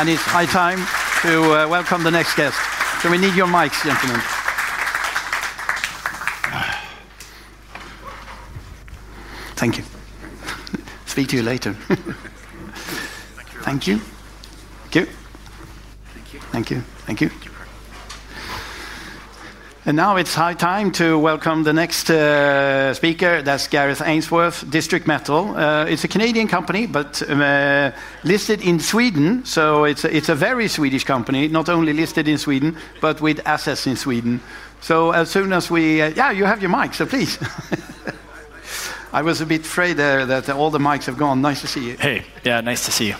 It is high time to welcome the next guest. Can we need your mics, gentlemen? Thank you. Speak to you later. Thank you. Thank you. Thank you. Thank you. Thank you. It's high time to welcome the next speaker. That's Garrett Ainsworth, District Metals. It's a Canadian company, but listed in Sweden. It's a very Swedish company, not only listed in Sweden, but with assets in Sweden. You have your mic. Please. I was a bit afraid that all the mics have gone. Nice to see you. Hey, yeah, nice to see you.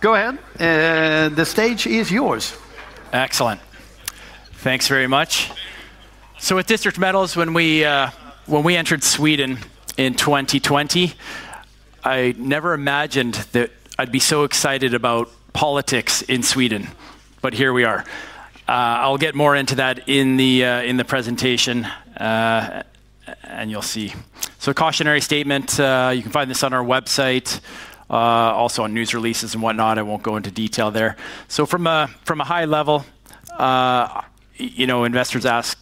Go ahead. The stage is yours. Excellent. Thanks very much. At District Metals, when we entered Sweden in 2020, I never imagined that I'd be so excited about politics in Sweden. Here we are. I'll get more into that in the presentation, and you'll see. Cautionary statement. You can find this on our website, also on news releases and whatnot. I won't go into detail there. From a high level, investors ask,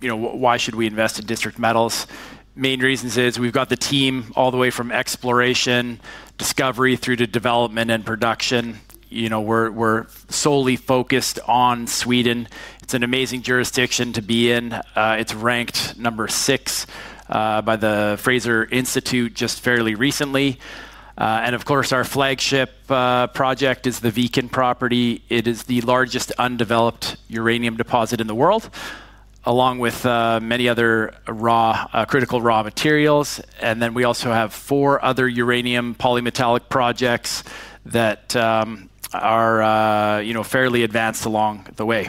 you know, why should we invest in District Metals? Main reasons are we've got the team all the way from exploration, discovery, through to development and production. We're solely focused on Sweden. It's an amazing jurisdiction to be in. It's ranked number 6 by the Fraser Institute just fairly recently. Of course, our flagship project is the Viken property. It is the largest undeveloped uranium deposit in the world, along with many other critical raw materials. We also have four other uranium polymetallic projects that are fairly advanced along the way.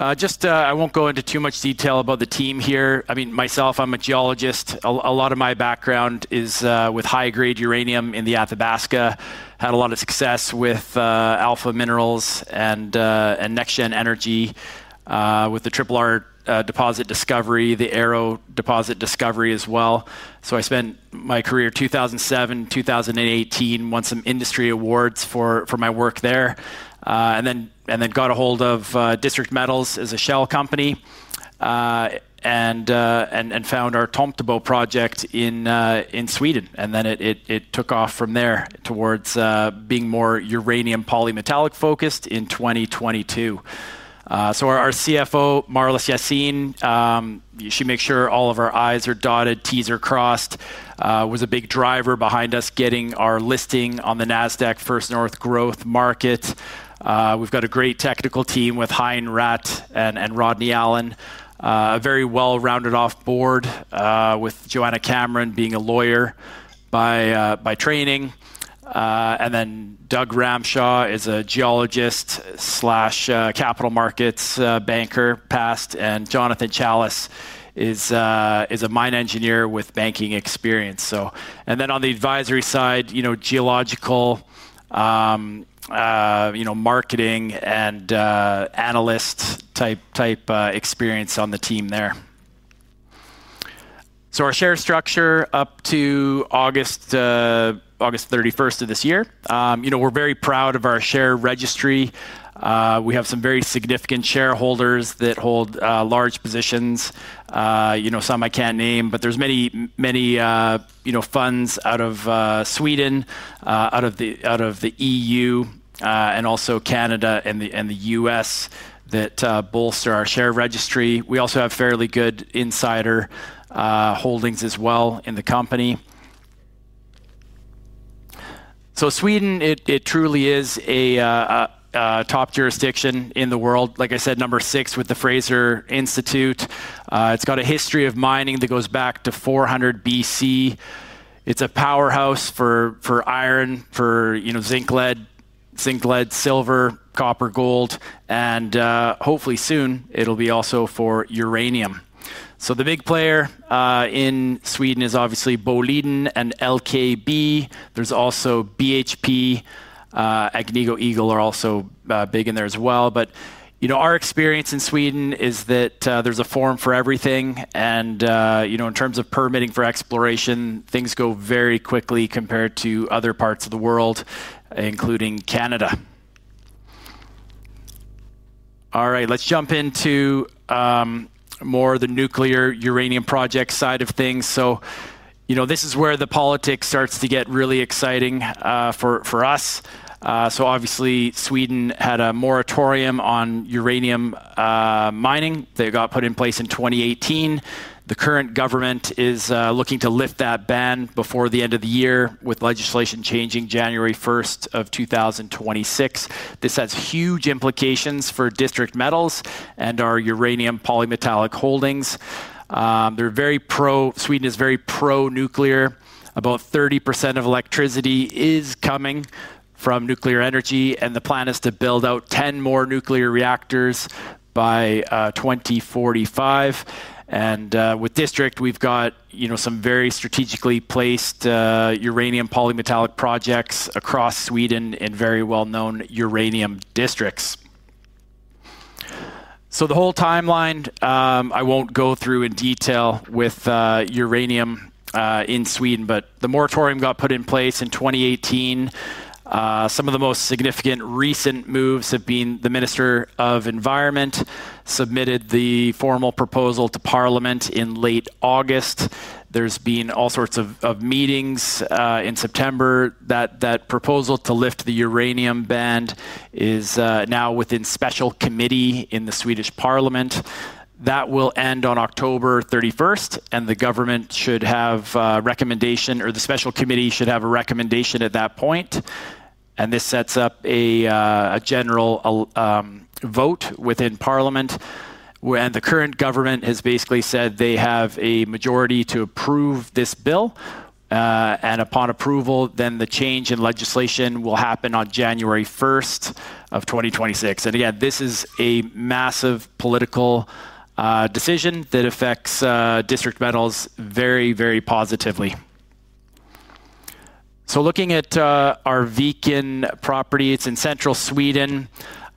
I won't go into too much detail about the team here. Myself, I'm a geologist. A lot of my background is with high-grade uranium in the Athabasca. I had a lot of success with Alpha Minerals and NexGen Energy with the Triple R deposit discovery, the Arrow deposit discovery as well. I spent my career in 2007, 2018, won some industry awards for my work there, and then got a hold of District Metals as a shell company and found our Tomtebo project in Sweden. It took off from there towards being more uranium polymetallic focused in 2022. Our CFO, Marlis Yassin, she makes sure all of our I's are dotted, T's are crossed, was a big driver behind us getting our listing on the NASDAQ First North Growth Market. We've got a great technical team with Hein Raat and Rodney Allen, a very well-rounded off board with Joanna Cameron being a lawyer by training. Doug Ramshaw is a geologist slash capital markets banker past, and Jonathan Challis is a mine engineer with banking experience. On the advisory side, geological marketing and analyst type experience on the team there. Our share structure up to August 31st, 2023, we're very proud of our share registry. We have some very significant shareholders that hold large positions. Some I can't name, but there's many funds out of Sweden, out of the EU, and also Canada and the U.S. that bolster our share registry. We also have fairly good insider holdings as well in the company. Sweden, it truly is a top jurisdiction in the world. Like I said, number six with the Fraser Institute. It's got a history of mining that goes back to 400 BC. It's a powerhouse for iron, for zinc, lead, silver, copper, gold, and hopefully soon it'll be also for uranium. The big player in Sweden is obviously Boliden and LKB. There's also BHP. Agnico Eagle are also big in there as well. Our experience in Sweden is that there's a form for everything. In terms of permitting for exploration, things go very quickly compared to other parts of the world, including Canada. Let's jump into more of the nuclear uranium project side of things. This is where the politics starts to get really exciting for us. Obviously, Sweden had a moratorium on uranium mining. That got put in place in 2018. The current government is looking to lift that ban before the end of the year with legislation changing January 1st, 2026. This has huge implications for District Metals and our uranium polymetallic holdings. They're very pro. Sweden is very pro-nuclear. About 30% of electricity is coming from nuclear energy, and the plan is to build out 10 more nuclear reactors by 2045. With District, we've got some very strategically placed uranium polymetallic projects across Sweden in very well-known uranium districts. The whole timeline, I won't go through in detail with uranium in Sweden, but the moratorium got put in place in 2018. Some of the most significant recent moves have been the Minister of Environment submitted the formal proposal to Parliament in late August. There's been all sorts of meetings in September. That proposal to lift the uranium ban is now within special committee in the Swedish Parliament. That will end on October 31, and the government should have a recommendation, or the special committee should have a recommendation at that point. This sets up a general vote within Parliament, and the current government has basically said they have a majority to approve this bill. Upon approval, then the change in legislation will happen on January 1st, 2026. This is a massive political decision that affects District Metals very, very positively. Looking at our Viken property, it's in central Sweden,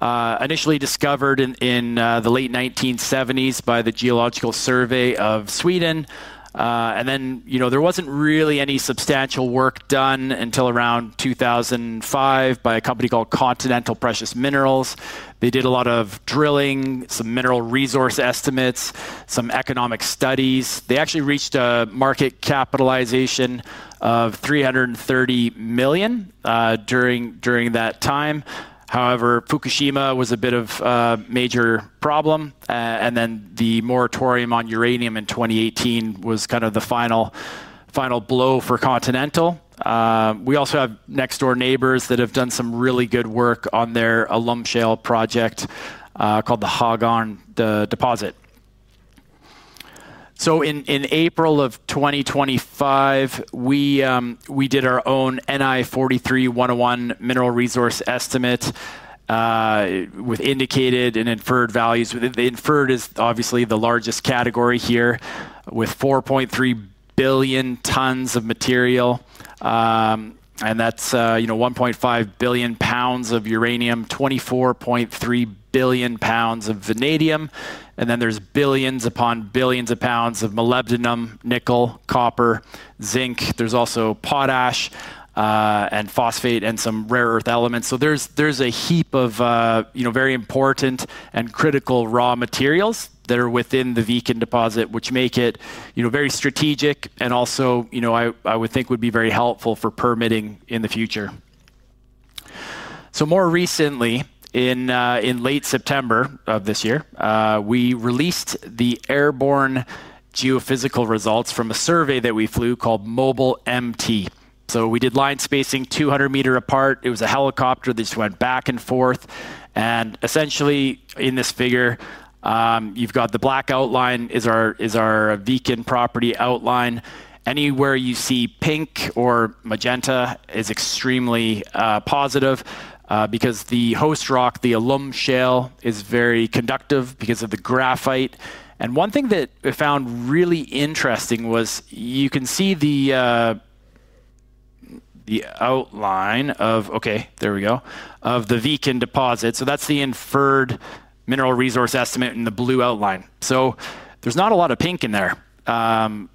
initially discovered in the late 1970s by the Geological Survey of Sweden. There wasn't really any substantial work done until around 2005 by a company called Continental Precious Minerals. They did a lot of drilling, some mineral resource estimates, some economic studies. They actually reached a market capitalization of 330 million during that time. However, Fukushima was a bit of a major problem. The moratorium on uranium in 2018 was kind of the final blow for Continental. We also have next-door neighbors that have done some really good work on their alum shale project called the Häggån deposit. In April of 2025, we did our own NI 43-101 mineral resource estimate with indicated and inferred values. The inferred is obviously the largest category here with 4.3 billion tons of material. That's 1.5 billion lbs of uranium, 24.3 billion lbs of vanadium. There are billions upon billions of pounds of molybdenum, nickel, copper, zinc. There's also potash and phosphate and some rare earth elements. There's a heap of very important and critical raw materials that are within the Viken deposit, which make it very strategic and also, I would think, would be very helpful for permitting in the future. More recently, in late September of this year, we released the airborne geophysical results from a survey that we flew called Mobile MT. We did line spacing 200 m apart. It was a helicopter that went back and forth. Essentially, in this figure, you've got the black outline as our Viken property outline. Anywhere you see pink or magenta is extremely positive because the host rock, the alum shale, is very conductive because of the graphite. One thing that I found really interesting was you can see the outline of, okay, there we go, of the Viken deposit. That's the inferred mineral resource estimate in the blue outline. There's not a lot of pink in there.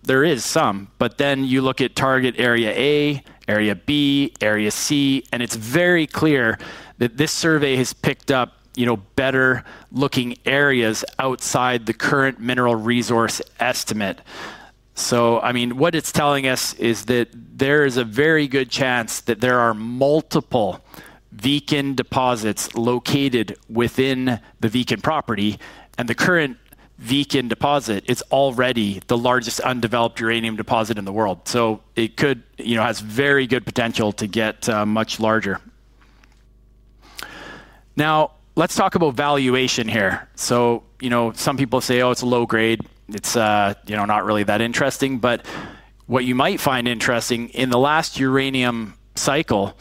There is some, but then you look at target area A, area B, area C, and it's very clear that this survey has picked up better looking areas outside the current mineral resource estimate. What it's telling us is that there is a very good chance that there are multiple Viken deposits located within the Viken property. The current Viken deposit is already the largest undeveloped uranium deposit in the world. It could have very good potential to get much larger. Now, let's talk about valuation here. Some people say, oh, it's a low grade. It's, you know, not really that interesting. What you might find interesting in the last uranium cycle,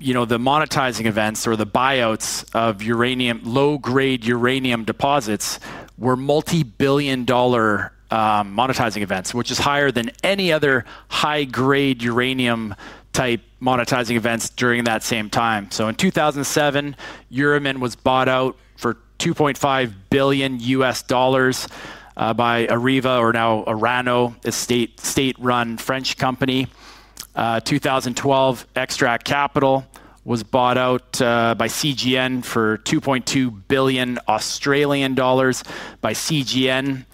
the monetizing events or the buyouts of uranium, low grade uranium deposits were multi-billion dollar monetizing events, which is higher than any other high grade uranium type monetizing events during that same time. In 2007, Euromin was bought out for $2.5 billion U.S. dollars by Areva, or now Orano, a state-run French company. In 2012, Extract Capital was bought out for 2.2 billion Australian dollars by CGN.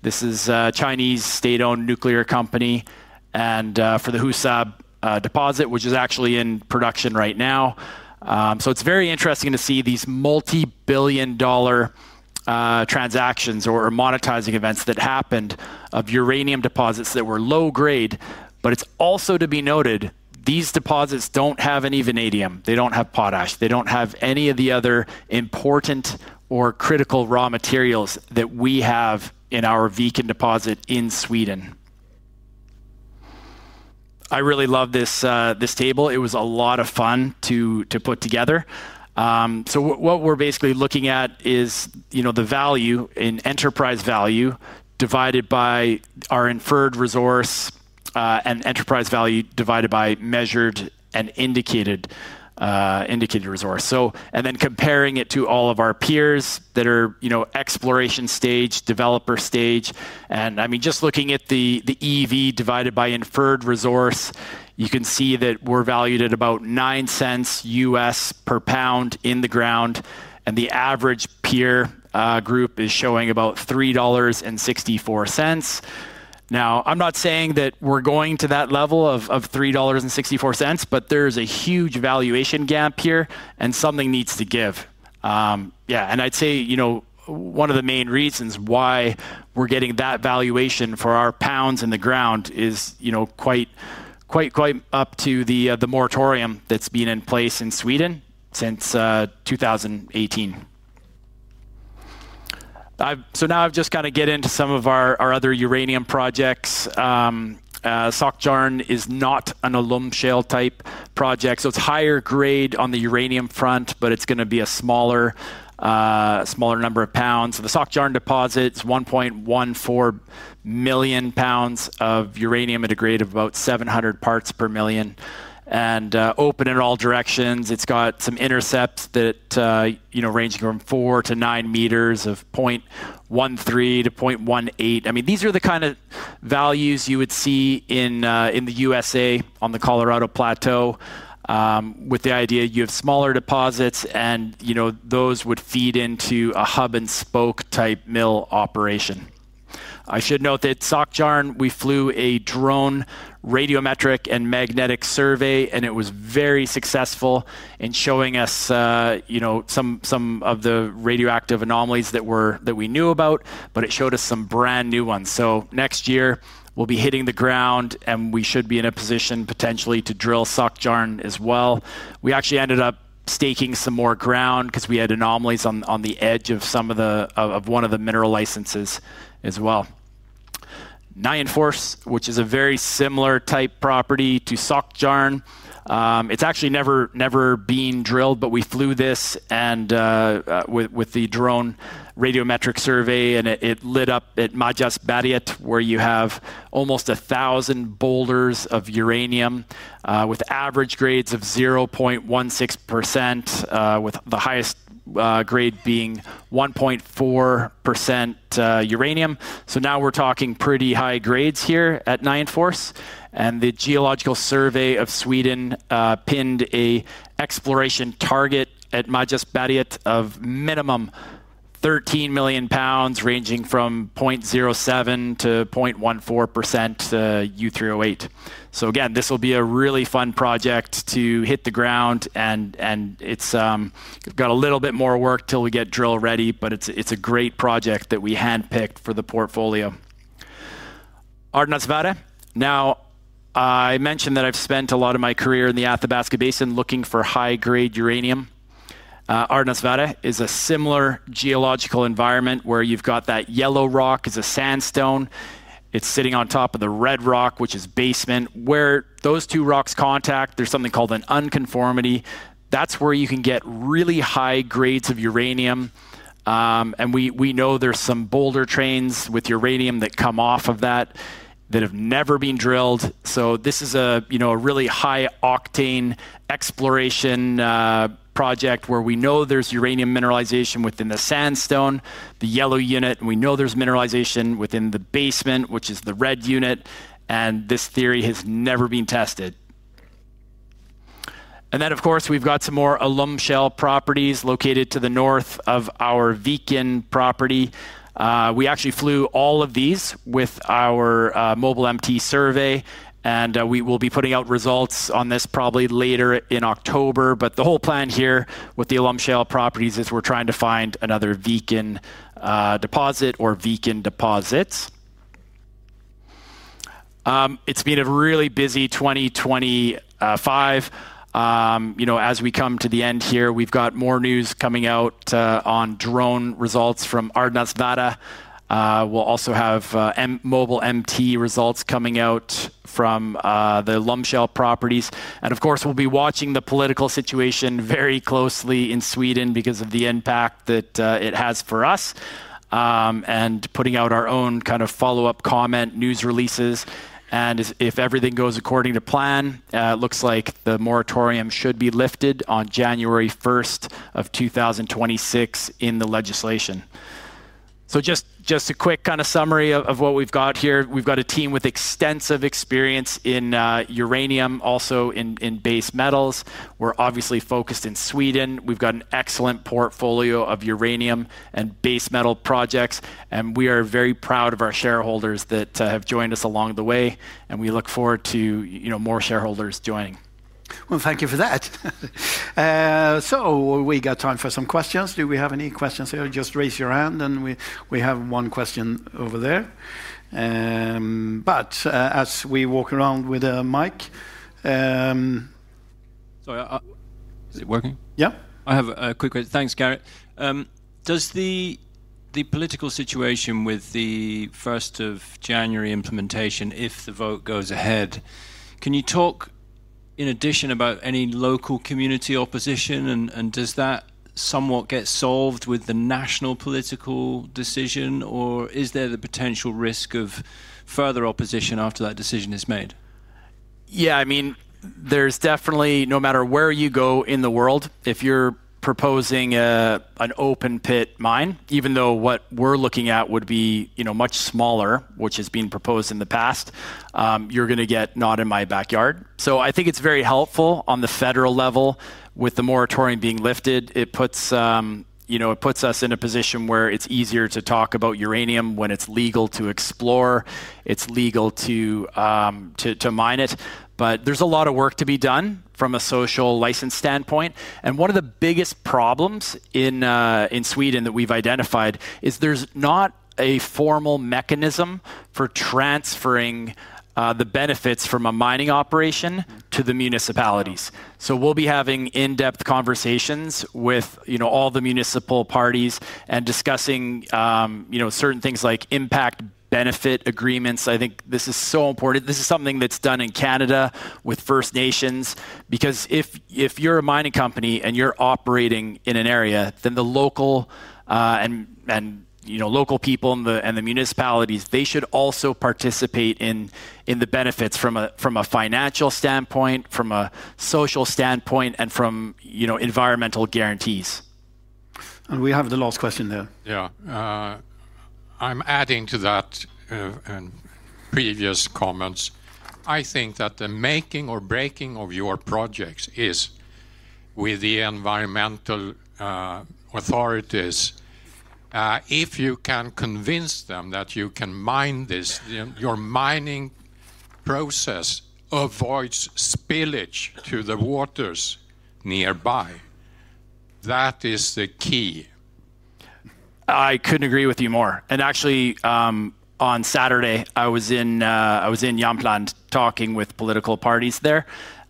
This is a Chinese state-owned nuclear company, and for the Husab deposit, which is actually in production right now. It is very interesting to see these multi-billion dollar transactions or monetizing events that happened of uranium deposits that were low grade. It is also to be noted, these deposits do not have any vanadium. They do not have potash. They do not have any of the other important or critical raw materials that we have in our Viken deposit in Sweden. I really love this table. It was a lot of fun to put together. What we are basically looking at is the value in enterprise value divided by our inferred resource and enterprise value divided by measured and indicated resource, and then comparing it to all of our peers that are exploration stage, developer stage. Just looking at the EV divided by inferred resource, you can see that we are valued at about $0.09 U.S. per lbs in the ground, and the average peer group is showing about $3.64. I am not saying that we are going to that level of $3.64, but there is a huge valuation gap here and something needs to give. I would say one of the main reasons why we are getting that valuation for our pounds in the ground is quite, quite, quite up to the moratorium that has been in place in Sweden since 2018. Now I have just got to get into some of our other uranium projects. Sågtjärn is not an alum shale type project, so it is higher grade on the uranium front, but it is going to be a smaller number of pounds. The Sågtjärn deposit is 1.14 million lbs of uranium at a grade of about 700 parts per million and open in all directions. It has some intercepts that range from 4-9 m of 0.13-0.18. These are the kind of values you would see in the U.S.A. on the Colorado Plateau with the idea you have smaller deposits and those would feed into a hub and spoke type mill operation. I should note that Sågtjärn, we flew a drone radiometric and magnetic survey, and it was very successful in showing us some of the radioactive anomalies that we knew about, but it showed us some brand new ones. Next year, we'll be hitting the ground and we should be in a position potentially to drill Sågtjärn as well. We actually ended up staking some more ground because we had anomalies on the edge of one of the mineral licenses as well. Nianfors, which is a very similar type property to Sågtjärn, it's actually never been drilled, but we flew this with the drone radiometric survey and it lit up at Majsaberget, where you have almost 1,000 boulders of uranium with average grades of 0.16%, with the highest grade being 1.4% uranium. Now we're talking pretty high grades here at Nianfors. The Geological Survey of Sweden pinned an exploration target at Majsaberget of minimum 13 million lbs, ranging from 0.07%-0.14% U3O8. This will be a really fun project to hit the ground and it's got a little bit more work till we get drill ready, but it's a great project that we handpicked for the portfolio. Ardnasvare, now I mentioned that I've spent a lot of my career in the Athabasca Basin looking for high-grade uranium. Ardnasvare is a similar geological environment where you've got that yellow rock as a sandstone. It's sitting on top of the red rock, which is basement. Where those two rocks contact, there's something called an unconformity. That's where you can get really high grades of uranium. We know there's some boulder trains with uranium that come off of that that have never been drilled. This is a really high octane exploration project where we know there's uranium mineralization within the sandstone, the yellow unit. We know there's mineralization within the basement, which is the red unit. This theory has never been tested. Of course, we've got some more alum shale properties located to the north of our Viken property. We actually flew all of these with our Mobile MT survey. We will be putting out results on this probably later in October. The whole plan here with the alum shale properties is we're trying to find another Viken deposit or Viken deposits. It's been a really busy 2025. As we come to the end here, we've got more news coming out on drone results from Ardnasvare. We'll also have Mobile MT results coming out from the alum shale properties. Of course, we'll be watching the political situation very closely in Sweden because of the impact that it has for us and putting out our own kind of follow-up comment news releases. If everything goes according to plan, it looks like the moratorium should be lifted on January 1st, 2026, in the legislation. Just a quick kind of summary of what we've got here. We've got a team with extensive experience in uranium, also in base metals. We're obviously focused in Sweden. We've got an excellent portfolio of uranium and base metal projects. We are very proud of our shareholders that have joined us along the way, and we look forward to more shareholders joining. Thank you for that. We have time for some questions. Do we have any questions here? Just raise your hand, and we have one question over there as we walk around with a mic. Is it working? Yeah. I have a quick question. Thanks, Garrett. Does the political situation with the January 1 implementation, if the vote goes ahead, can you talk in addition about any local community opposition? Does that somewhat get solved with the national political decision? Is there the potential risk of further opposition after that decision is made? Yeah, I mean, there's definitely, no matter where you go in the world, if you're proposing an open pit mine, even though what we're looking at would be much smaller, which has been proposed in the past, you're going to get not in my backyard. I think it's very helpful on the federal level with the moratorium being lifted. It puts us in a position where it's easier to talk about uranium when it's legal to explore, it's legal to mine it. There's a lot of work to be done from a social license standpoint. One of the biggest problems in Sweden that we've identified is there's not a formal mechanism for transferring the benefits from a mining operation to the municipalities. We'll be having in-depth conversations with all the municipal parties and discussing certain things like impact benefit agreements. I think this is so important. This is something that's done in Canada with First Nations, because if you're a mining company and you're operating in an area, then the local people and the municipalities, they should also participate in the benefits from a financial standpoint, from a social standpoint, and from environmental guarantees. We have the last question there. Yeah, I'm adding to that in previous comments. I think that the making or breaking of your projects is with the environmental authorities. If you can convince them that you can mine this, your mining process avoids spillage to the waters nearby. That is the key. I couldn't agree with you more. Actually, on Saturday, I was in Jämtland talking with political parties there,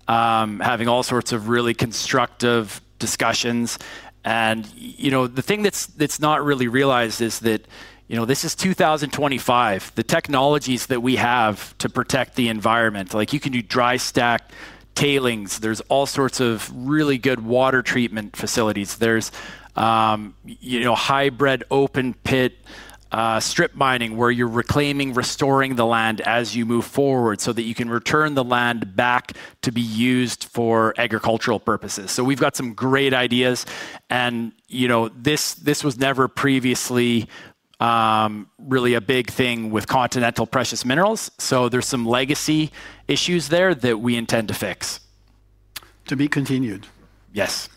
having all sorts of really constructive discussions. The thing that's not really realized is that this is 2025. The technologies that we have to protect the environment, like you can do dry stack tailings. There are all sorts of really good water treatment facilities. There's hybrid open pit strip mining where you're reclaiming, restoring the land as you move forward so that you can return the land back to be used for agricultural purposes. We've got some great ideas. This was never previously really a big thing with Continental Precious Minerals. There are some legacy issues there that we intend to fix. To be continued. Yes.